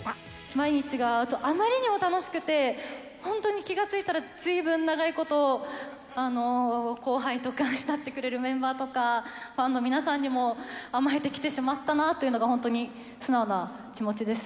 毎日があまりにも楽しくて、本当に気が付いたら、ずいぶん長いこと、後輩とか、慕ってくれるメンバーとか、ファンの皆さんにも甘えてきてしまったなっていうのが、本当に素直な気持ちです。